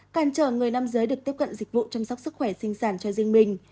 càn trở người nam giới được tiếp cận dịch vụ chăm sóc sức khỏe sinh sản cho riêng mình